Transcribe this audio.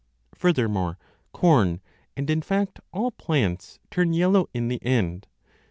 Further more, corn and in fact all plants turn yellow in the end.